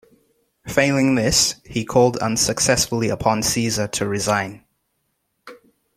Failing this, he called unsuccessfully upon Caesar to resign.